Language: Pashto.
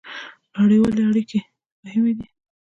نړیوالې اړیکې مهمې دي